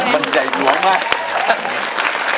มันใหญ่หลวงมาก